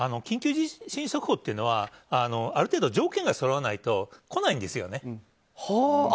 緊急地震速報というのはある程度、条件がそろわないと来ないんですよね。